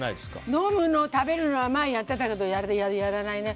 飲むの食べるのは前やってたけど、やらないね。